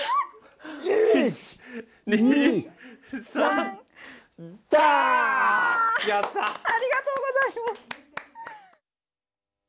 ありがとうございます。